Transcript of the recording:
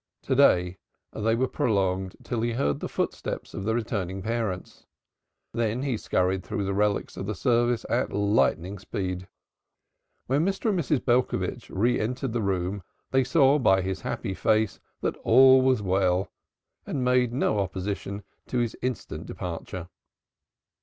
To day they were prolonged till he heard the footsteps of the returning parents. Then he scurried through the relics of the service at lightning speed. When Mr. and Mrs. Belcovitch re entered the room they saw by his happy face that all was well and made no opposition to his instant departure.